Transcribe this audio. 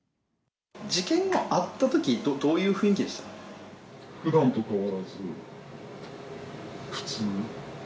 事件後会ったとき、どういうふだんと変わらず、普通。